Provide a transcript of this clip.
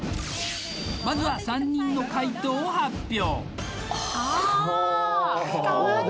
まずは３人の解答を発表